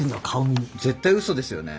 絶対うそですよね？